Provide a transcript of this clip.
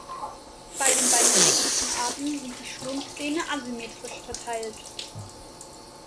Bei den beiden griechischen Arten sind die Schlundzähne asymmetrisch verteilt.